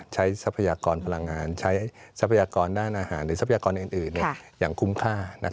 ทรัพยากรพลังงานใช้ทรัพยากรด้านอาหารหรือทรัพยากรอื่นอย่างคุ้มค่า